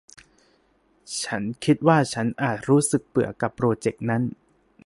ฉันคิดว่าฉันอาจรู้สึกเบื่อกับโปรเจ็กต์นั้น